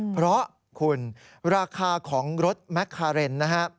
เพราะคุณราคาของรถแมคคาเรนนะฮะ